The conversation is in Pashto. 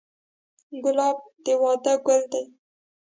ګلاب د واده ګل دی.